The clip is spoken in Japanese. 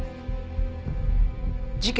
事件？